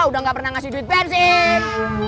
udah gak pernah ngasih duit bensin